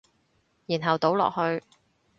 然後倒落去